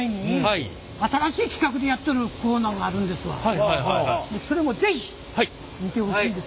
今それも是非見てほしいんです。